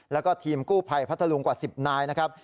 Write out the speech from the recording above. แล้วก็ทีมกู้ภัยพัทธรุงกว่า๑๐นายนะครับ